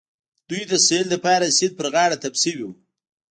دوی د سيل لپاره د سيند په غاړه تم شوي وو.